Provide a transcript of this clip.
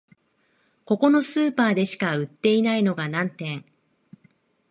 ここのスーパーでしか売ってないのが難点